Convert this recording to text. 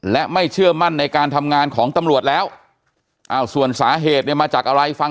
และไม่เชื่อมั่นในการทำงานของตำรวจแล้วส่วนสาเหตุเนี่ยมาจากอะไรฟัง